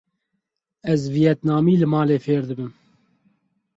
Ez viyetnamî li malê fêr dibim.